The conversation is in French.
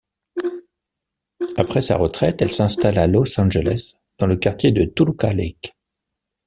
Après sa retraite, elle s'installe à Los Angeles, dans le quartier de Toluca Lake.